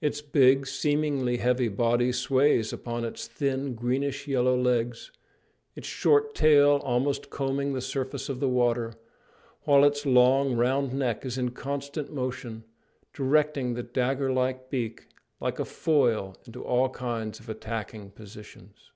Its big, seemingly heavy body sways upon its thin, greenish yellow legs, its short tail almost combing the surface of the water, while its long, round neck is in constant motion, directing the dagger like beak like a foil into all kinds of attacking positions.